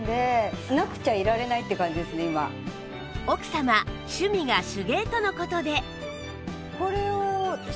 奥様趣味が手芸との事で